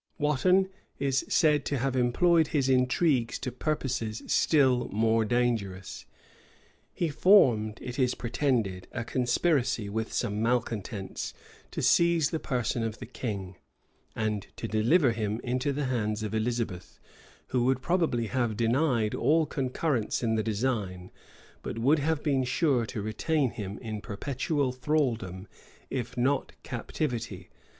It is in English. Wotton is said to have employed his intrigues to purposes still more dangerous. He formed, it is pretended, a conspiracy with some malecontents, to seize the person of the king, and to deliver him into the hands of Elizabeth, who would probably have denied all concurrence in the design, but would have been sure to retain him in perpetual thraldom, if not captivity.